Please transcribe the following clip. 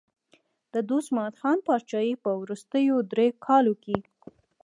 د دوست محمد خان پاچاهۍ په وروستیو دریو کالو کې.